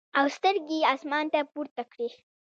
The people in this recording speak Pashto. او سترګې ئې اسمان ته پورته کړې ـ